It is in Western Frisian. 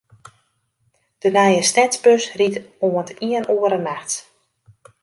De nije stedsbus rydt oant iene oere nachts.